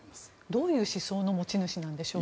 どういう思想の持ち主ですか？